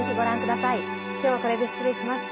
今日はこれで失礼します。